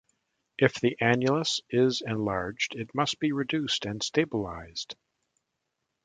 If the annulus is enlarged it must be reduced and stabilized.